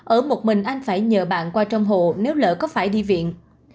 ở một mình anh phải nhờ bạn qua trong hộ nếu lỡ có phải đi viện